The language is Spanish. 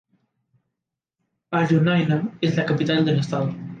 Al-Junaynah es la capital del estado.